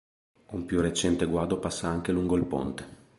Un più recente guado passa anche lungo il ponte.